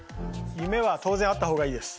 夢は当然あった方がいいです。